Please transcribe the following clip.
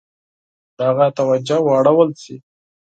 د هغه توجه واړول شي.